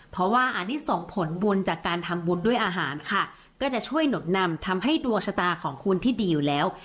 เพราะว่าอันนี้ส่งผลบุญจากการทำบุญด้วยอาหารค่ะก็จะช่วยหนุนนำทำให้ดวงชะตาของคุณที่ดีอยู่แล้ว